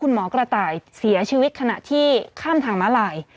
ผู้ต้องหาที่ขับขี่รถจากอายานยนต์บิ๊กไบท์